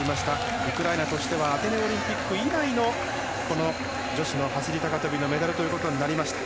ウクライナとしてはアテネオリンピック以来のこの女子の走り高跳びのメダルとなりました。